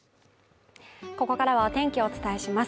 ここからはお天気をお伝えします。